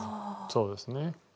そうですね。